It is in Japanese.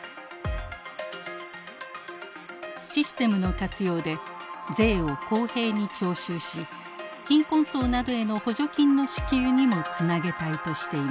システムの活用で税を公平に徴収し貧困層などへの補助金の支給にもつなげたいとしています。